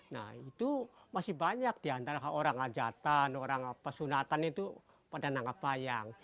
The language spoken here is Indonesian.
nah itu masih banyak di antara orang ajatan orang pesunatan itu pada nanggap wayang